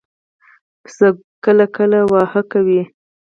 پسه کله کله واهه کوي.